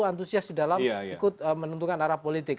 antusias di dalam ikut menentukan arah politik